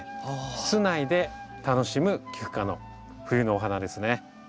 室内で楽しむキク科の冬のお花ですね。